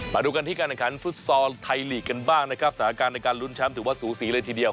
มาดูกันที่การแข่งขันฟุตซอลไทยลีกกันบ้างนะครับสถานการณ์ในการลุ้นแชมป์ถือว่าสูสีเลยทีเดียว